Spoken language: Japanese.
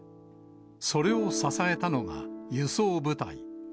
それを支えたのが輸送部隊。